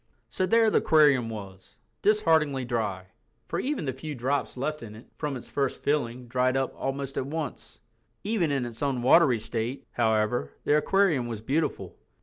So there the aquarium was, dishearteningly dry—for even the few drops left in it from its first filling dried up almost at once. Even in its unwatery state, however, the aquarium was beautiful.